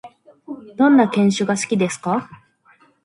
どんな犬種が好きですか？